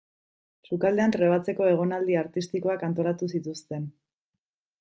Sukaldean trebatzeko egonaldi artistikoak antolatu zituzten.